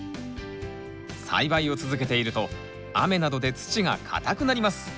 栽培を続けていると雨などで土がかたくなります。